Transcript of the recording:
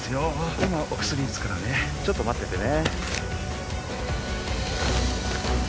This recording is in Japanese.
今お薬打つからねちょっと待っててね